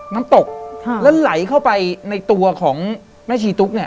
น้ำตกแล้วไหลเข้าไปในตัวของแม่ชีตุ๊กเนี่ย